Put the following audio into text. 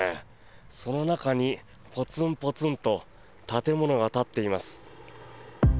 その中にポツンポツンと建物が立っています。